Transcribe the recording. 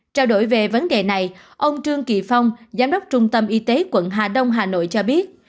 trao đổi về vấn đề này ông trương kỳ phong giám đốc trung tâm y tế quận hà đông hà nội cho biết